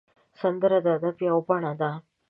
سندره د ادب یو بڼه ده